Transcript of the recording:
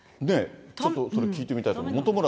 ちょっとそれ聞いてみたいと。